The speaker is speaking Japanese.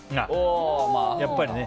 やっぱりね。